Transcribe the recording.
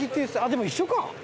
でも一緒か。